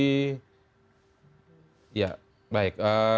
ingat kasus persekusi ini kan awalnya memang salah satunya adalah mencari